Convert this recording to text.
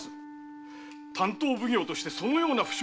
担当奉行としてそのような不祥事は絶対に。